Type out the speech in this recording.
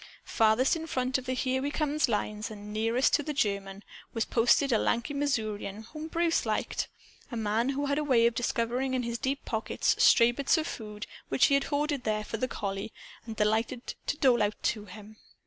Farthest in front of the "Here We Comes" lines and nearest to the German was posted a lanky Missourian whom Bruce liked, a man who had a way of discovering in his deep pockets stray bits of food which he had hoarded there for the collie and delighted to dole out to him.